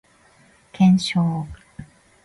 検証